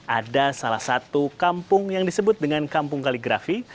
ada salah satu kampung yang disebut dengan kampung kaligrafi